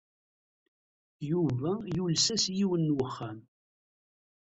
Yuba yules-as i yiwen n wexxam.